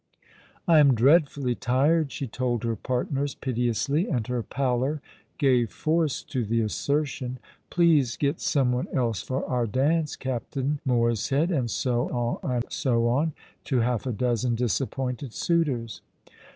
" I am dreadfully tired," she told her partners piteoi^ly, and her pallor gave force to the assertion. " Please get surno one else for our dance. Captain Morshead," and so on, and so on, to half a dozen disappointed suitors.